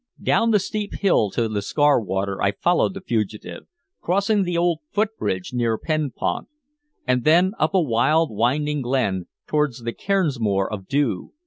Down the steep hill to the Scarwater I followed the fugitive, crossing the old footbridge near Penpont, and then up a wild winding glen towards the Cairnsmore of Deugh.